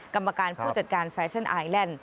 กรรมการผู้จัดการแฟชั่นไอแลนด์